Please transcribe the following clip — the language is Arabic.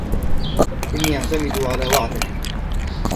إني أعتمد على وعدك.